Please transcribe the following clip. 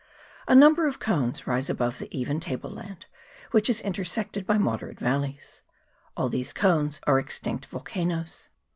A number of cones rise above the even table land, which is in tersected by moderate valleys. All these cones are extinct volcanoes.